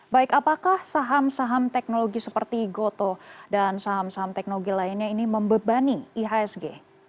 baik apakah saham saham teknologi seperti gotoh dan saham saham teknologi lainnya ini membebani ihsg